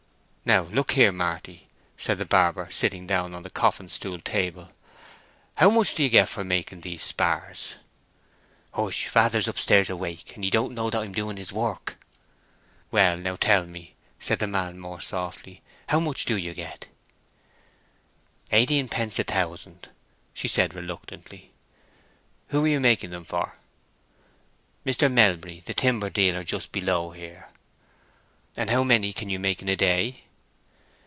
"Now, look here, Marty," said the barber, sitting down on the coffin stool table. "How much do you get for making these spars?" "Hush—father's up stairs awake, and he don't know that I am doing his work." "Well, now tell me," said the man, more softly. "How much do you get?" "Eighteenpence a thousand," she said, reluctantly. "Who are you making them for?" "Mr. Melbury, the timber dealer, just below here." "And how many can you make in a day?"